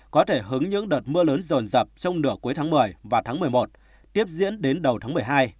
có thể hứng những đợt mưa lớn rồn rập trong nửa cuối tháng một mươi và tháng một mươi một tiếp diễn đến đầu tháng một mươi hai